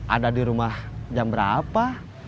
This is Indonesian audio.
ada di rumah jam berapa